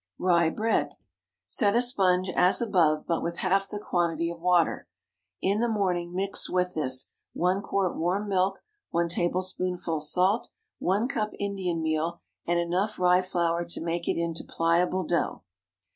RYE BREAD. Set a sponge, as above, but with half the quantity of water. In the morning mix with this: 1 quart warm milk. 1 tablespoonful salt. 1 cup Indian meal. And enough rye flour to make it into pliable dough.